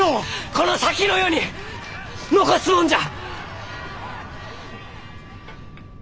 この先の世に残すもんじゃ！